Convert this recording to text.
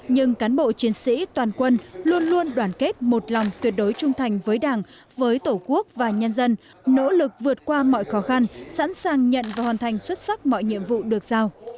nhưng cán bộ chiến sĩ toàn quân luôn luôn đoàn kết một lòng tuyệt đối trung thành với đảng với tổ quốc và nhân dân nỗ lực vượt qua mọi khó khăn sẵn sàng nhận và hoàn thành xuất sắc mọi nhiệm vụ được giao